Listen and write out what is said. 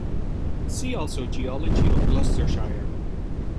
See also Geology of Gloucestershire.